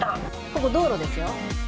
ここ道路ですよ。